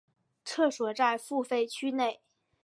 厕所在付费区内。